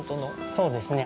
そうですね。